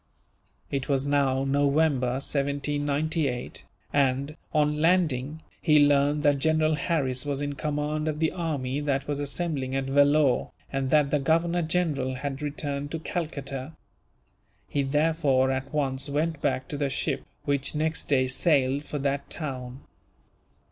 It was now November, 1798 and, on landing, he learned that General Harris was in command of the army that was assembling at Vellore, and that the Governor General had returned to Calcutta. He therefore at once went back to the ship, which next day sailed for that town.